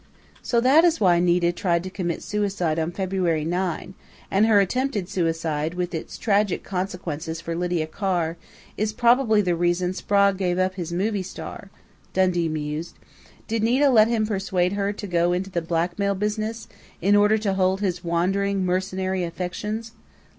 "So that is why Nita tried to commit suicide on February 9 and her attempted suicide, with its tragic consequences for Lydia Carr, is probably the reason Sprague gave up his movie star," Dundee mused. "Did Nita let him persuade her to go into the blackmail business, in order to hold his wandering, mercenary affections?...